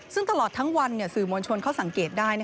ซึ่งตลอดทั้งวันสื่อมวลชนเขาสังเกตได้